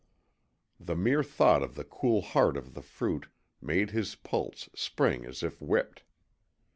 The mere thought of the cool heart of the fruit made his pulse spring as if whipped.